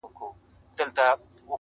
زه دي پلار یم نصیحت مکوه ماته-